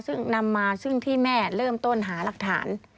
ซึ่งนำมาซึ่งที่แม่เริ่มต้นหารักฐาน